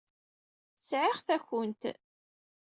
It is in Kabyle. Sɛiɣ takunt.